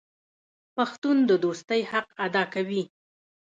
پښتون د دوستۍ حق ادا کوي.